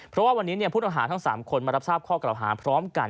เพราะว่าวันนี้ผู้ต้องหาทั้ง๓คนมารับทราบข้อกล่าวหาพร้อมกัน